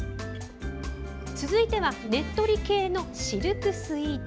続いてはねっとり系のシルクスイート。